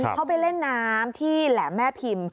เขาไปเล่นน้ำที่แหลมแม่พิมพ์